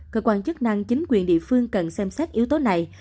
cơ quan chức năng chính quyền địa phương cần xem xét yếu tố này